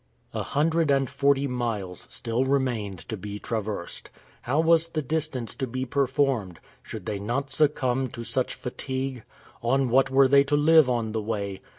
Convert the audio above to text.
A hundred and forty miles still remained to be traversed. How was the distance to be performed? Should they not succumb to such fatigue? On what were they to live on the way?